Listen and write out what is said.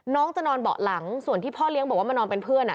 น้องจะนอนเบาะหลังส่วนที่พ่อเลี้ยงบอกว่ามานอนเป็นเพื่อน